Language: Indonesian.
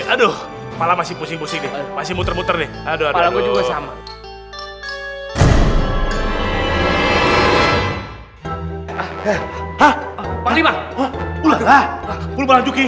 aduh masih pusing pusing di masih muter muter nih aduh aduh